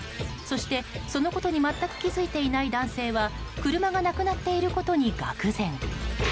そして、そのことに全く気づいていない男性は車がなくなっていることにがくぜん。